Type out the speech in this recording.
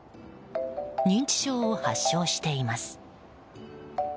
認知症を発症しています。